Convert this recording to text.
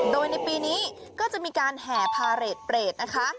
โดยในปีนี้ก็จะมีการแห่พาเรทเปรตนะคะ